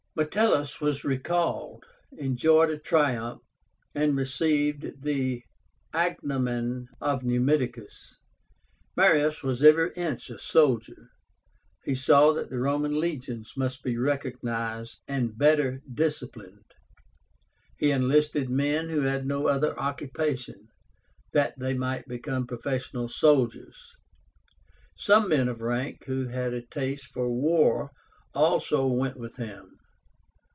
Metellus was recalled, enjoyed a triumph, and received the agnomen of NUMIDICUS. Marius was every inch a soldier. He saw that the Roman legions must be reorganized and better disciplined. He enlisted men who had no other occupation, that they might become professional soldiers. Some men of rank who had a taste for war also went with him.